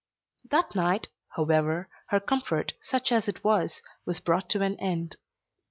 That night, however, her comfort, such as it was, was brought to an end.